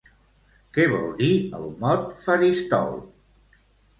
Què vol dir el mot faristol?